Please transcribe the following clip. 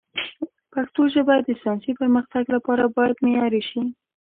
پښتو ژبه د ساینسي پرمختګ لپاره باید معیاري شي.